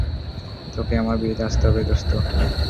তোকে আমার বিয়েতে আসতে হবে, দোস্ত!